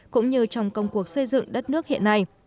cũng như trong công cuộc xây dựng đất nước hiện nay